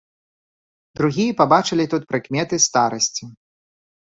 Другія пабачылі тут прыкметы старасці.